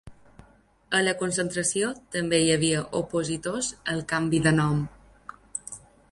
A la concentració també hi havia opositors al canvi de nom.